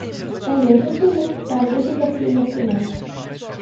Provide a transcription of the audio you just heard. Elle est reconnue par l’Éducation nationale.